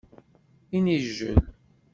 Inijjel.